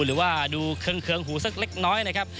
หรือว่าดูเครื่องหูสักเล็กน้อยนะครับ